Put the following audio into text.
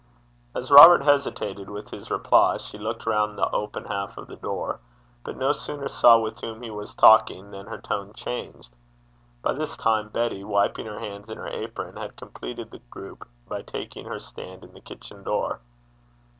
As Robert hesitated with his reply, she looked round the open half of the door, but no sooner saw with whom he was talking than her tone changed. By this time Betty, wiping her hands in her apron, had completed the group by taking her stand in the kitchen door.